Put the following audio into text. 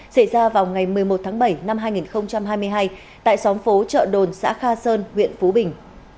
xảy ra vào ngày một mươi một tháng bảy năm hai nghìn hai mươi hai tại xóm phố chợ đồn xã kha sơn huyện phú bình